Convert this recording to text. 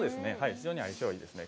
非常に相性がいいですね。